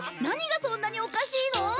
何がそんなにおかしいの？